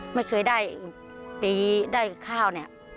ไม่เคยได้ปีได้ข้าว